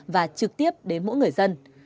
và trực tiếp đến mỗi người dân